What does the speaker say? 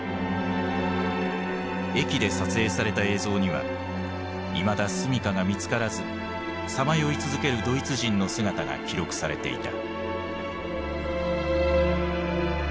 駅で撮影された映像にはいまだ住みかが見つからずさまよい続けるドイツ人の姿が記録されていた。